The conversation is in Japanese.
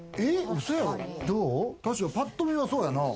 確かにパッと見は、そうやな。